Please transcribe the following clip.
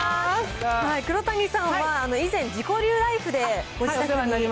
黒谷さんは以前、自己流ライフでご自宅に。